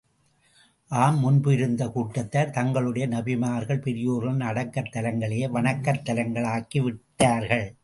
ஆம், முன்பு இருந்த கூட்டத்தார் தங்களுடைய நபிமார்கள், பெரியோர்களின் அடக்கத் தலங்களையே வணக்கத் தலங்களாக்கி விட்டார்கள்.